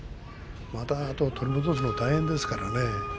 また、あとで取り戻すのが大変ですからね。